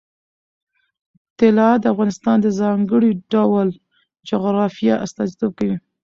طلا د افغانستان د ځانګړي ډول جغرافیه استازیتوب کوي.